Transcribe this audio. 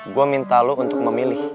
gue minta lo untuk memilih